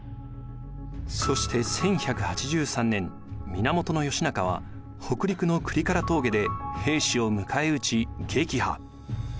そして１１８３年源義仲は北陸の倶利伽羅峠で平氏を迎え撃ち撃破。